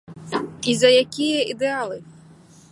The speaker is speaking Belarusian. І за якія ідэалы?